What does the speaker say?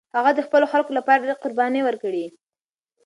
هغه د خپلو خلکو لپاره ډېرې قربانۍ ورکړې.